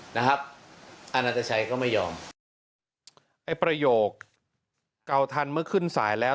นะครับอนัตชัยก็ไม่ยอมไอ้ประโยคเก่าทันเมื่อขึ้นสายแล้ว